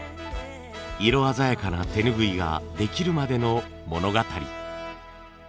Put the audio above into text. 色鮮やかな手ぬぐいができるまでの物語。